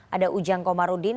ada ujang komarudin